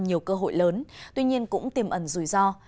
nhiều cơ hội lớn tuy nhiên cũng tiềm ẩn rủi ro